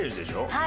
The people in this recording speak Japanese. はい。